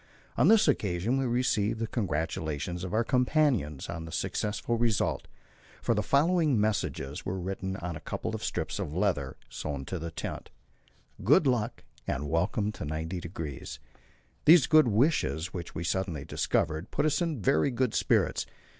On this occasion we received the congratulations of our companions on the successful result, for the following messages were written on a couple of strips of leather, sewed to the tent "Good luck," and "Welcome to 90°." These good wishes, which we suddenly discovered, put us in very good spirits.